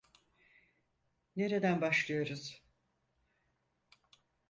Nereden başlıyoruz?